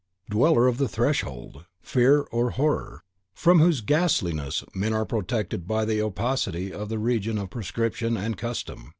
DWELLER OF THE THRESHOLD: FEAR (or HORROR), from whose ghastliness men are protected by the opacity of the region of Prescription and Custom.